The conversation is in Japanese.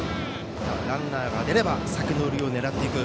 ランナーが出れば先の塁を狙っていく。